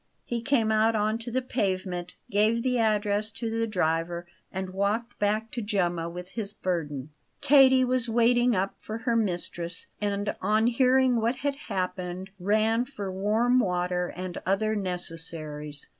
He came out on to the pavement, gave the address to the driver, and walked back to Gemma with his burden. Katie was waiting up for her mistress; and, on hearing what had happened, ran for warm water and other necessaries.